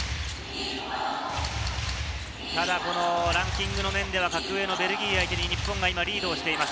ランキングの面では格上のベルギー相手に日本が今、リードしています。